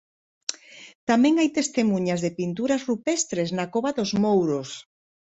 Tamén hai testemuñas de pinturas rupestres na Cova dos Mouros.